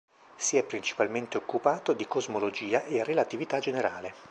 Si è principalmente occupato di cosmologia e relatività generale.